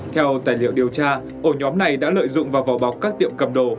theo tài liệu điều tra ổ nhóm này đã lợi dụng vào vỏ bọc các tiệm cầm đồ